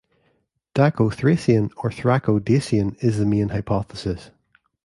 Daco-Thracian or Thraco-Dacian is the main hypothesis.